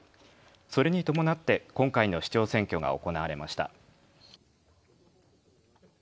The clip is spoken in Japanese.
それに伴って今回の市長選挙が行われました。